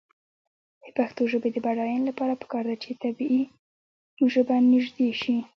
د پښتو ژبې د بډاینې لپاره پکار ده چې طبعي ژبه نژدې شي.